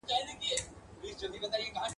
چي تر څو وطن ځنګل وي، د لېوانو حکومت وي !.